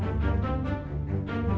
kasih tahu papa